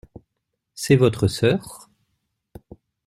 C’est votre sœur ?